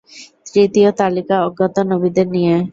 তৃতীয় তালিকা অজ্ঞাত নবীদের নিয়ে।